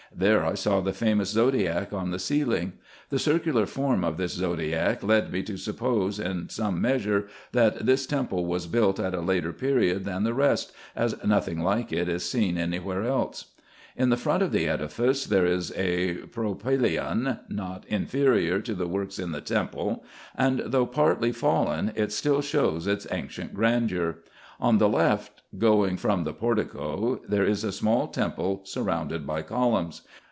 There I saw the famous zodiac on the ceiling. The circular form of this zodiac led me to suppose, in some measure, that this temple was built at a later period than the rest, as nothing like it is seen any where else. In the front of the edifice there is a propylaeon, not inferior to the works in the temple ; and, though partly fallen, it still shows its ancient grandeur. On the left, going from the portico, there is a small temple surrounded by columns.